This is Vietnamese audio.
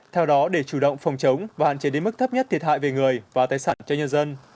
theo đó để chủ động phòng chống và hạn chế đến mức thấp nhất thiệt hại về người và tài sản cho nhân dân